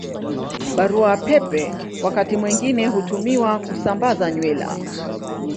Barua Pepe wakati mwingine hutumiwa kusambaza nywila.